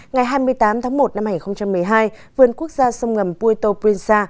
ngày hai mươi tám tháng một năm hai nghìn một mươi hai vườn quốc gia sông ngầm puerto princesa